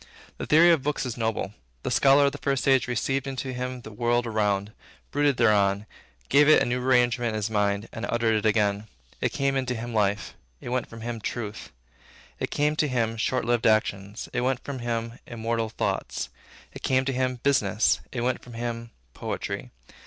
The theory of books is noble. The scholar of the first age received into him the world around; brooded thereon; gave it the new arrangement of his own mind, and uttered it again. It came into him, life; it went out from him, truth. It came to him, short lived actions; it went out from him, immortal thoughts. It came to him, business; it went from him, poetry.